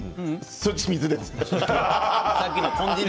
そっち水です。